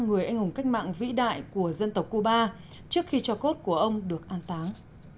người anh hùng cách mạng vĩ đại của dân tộc cuba trước khi cho cốt của ông được an táng